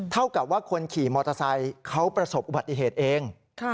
เท่ากับว่าคนขี่มอเตอร์ไซค์เขาประสบอุบัติเหตุเอง